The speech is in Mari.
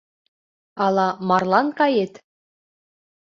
Ала марлан кает?